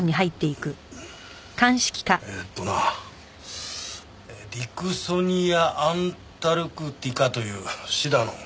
えっとなディクソニア・アンタルクティカというシダの胞子だ。